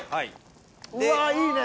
うわっいいね！